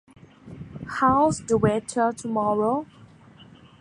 How’s the weather tomorrow?